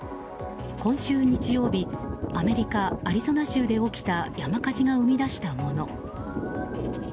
今週日曜日アメリカ・アリゾナ州で起きた山火事が生み出したもの。